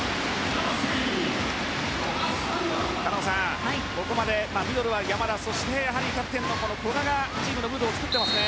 狩野さん、ここまでミドルは山田、そしてキャプテンの古賀がチームのムードを作っていますね。